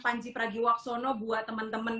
panji pragiwaksono buat temen temen